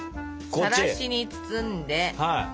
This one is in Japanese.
さらしに包んでしぼる！